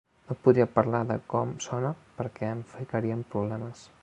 No podria parlar de com sona perquè em ficaria en problemes.